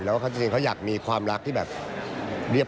แล้วเขาอยากมีความรักที่แบบ